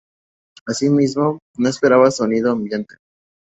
Asimismo, no esperaba sonido ambiente.